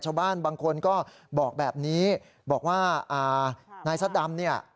ชาวบ้านบางคนก็บอกแบบนี้บอกว่านายซัดดำเนี่ย